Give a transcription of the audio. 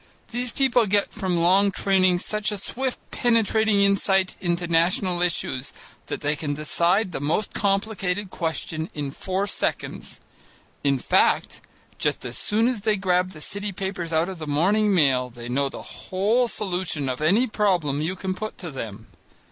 These people get from long training such a swift penetrating insight into national issues that they can decide the most complicated question in four seconds: in fact, just as soon as they grab the city papers out of the morning mail, they know the whole solution of any problem you can put to them.